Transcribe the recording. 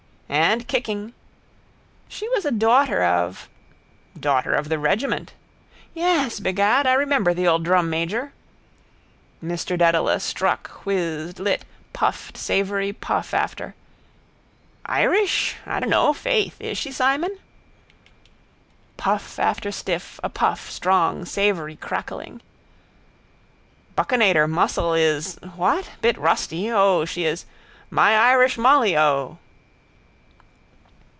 —And kicking. —She was a daughter of... —Daughter of the regiment. —Yes, begad. I remember the old drummajor. Mr Dedalus struck, whizzed, lit, puffed savoury puff after —Irish? I don't know, faith. Is she, Simon? Puff after stiff, a puff, strong, savoury, crackling. —Buccinator muscle is... What?... Bit rusty... O, she is... My Irish Molly, O.